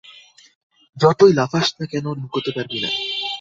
যতই লাফাস না কেন, লুকোতে পারবি না।